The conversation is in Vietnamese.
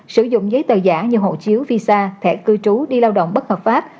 sử dụng giấy tờ giả như hộ chiếu visa thẻ cư trú đi lao động bất hợp pháp